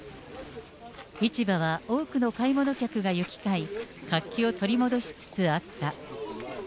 市場は多くの買い物客が行き交い、活気を取り戻しつつあった。